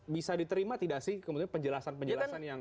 bisa diterima tidak sih kemudian penjelasan penjelasan yang